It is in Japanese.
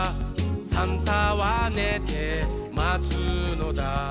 「サンタはねてまつのだ」